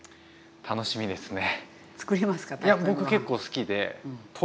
楽しみですね。